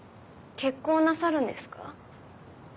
結婚なさるんですか？